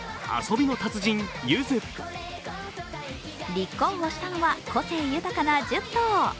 立候補したのは、個性豊かな１０頭。